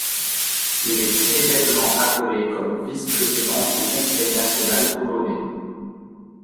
Il est immédiatement appelé comme vice-président du Conseil national polonais.